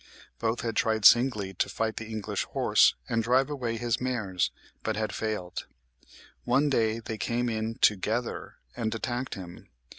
Both had tried singly to fight the English horse and drive away his mares, but had failed. One day they came in TOGETHER and attacked him.